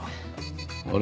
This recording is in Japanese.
あれ？